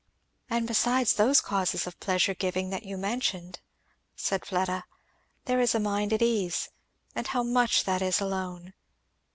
"And besides those causes of pleasure giving that you mentioned," said Fleda, "there is a mind at ease; and how much that is alone.